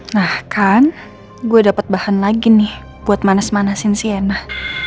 nah kan gue dapet bahan lagi nih buat manas manasin si enah